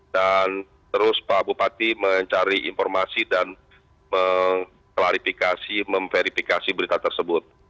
dan terus pak bupati mencari informasi dan memverifikasi berita tersebut